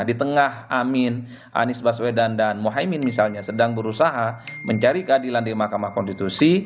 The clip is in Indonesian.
di tengah amin anies baswedan dan mohaimin misalnya sedang berusaha mencari keadilan di mahkamah konstitusi